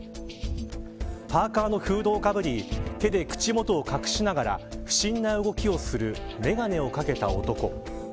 パーカーのフードをかぶり手で口元を隠しながら不審な動きをする眼鏡をかけた男。